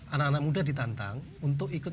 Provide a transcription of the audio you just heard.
anak anak muda ditantang untuk ikut